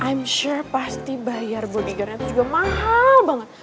i'm sure pasti bayar bodyguardnya itu juga mahal banget